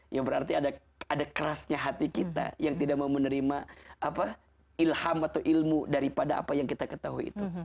ya berarti ada kerasnya hati kita yang tidak mau menerima ilham atau ilmu daripada apa yang kita ketahui itu